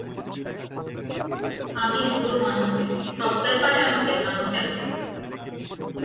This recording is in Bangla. আমি বুড়োমানুষ, সব ব্যাপারে আমাকে টানো কেন?